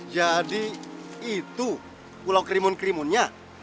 jadi itu pulau krimun krimunnya